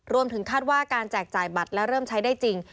รวมถึงคาดว่าการแจกจ่ายบัตรและเริ่มใช้ได้จริง